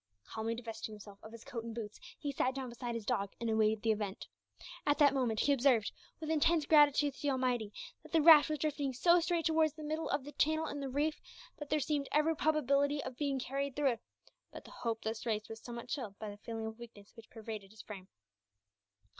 Calmly divesting himself of his coat and boots, he sat down beside his dog, and awaited the event. At that moment he observed, with intense gratitude to the Almighty, that the raft was drifting so straight towards the middle of the channel in the reef, that there seemed every probability of being carried through it; but the hope thus raised was somewhat chilled by the feeling of weakness which pervaded his frame.